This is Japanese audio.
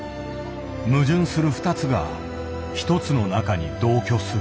矛盾する二つが一つの中に同居する。